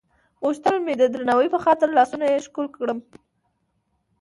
غوښتل مې د درناوي په خاطر لاسونه یې ښکل کړم.